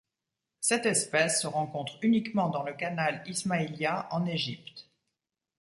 Cette espèce ce rencontre uniquement dans le canal Ismaïlia en l'Égypte.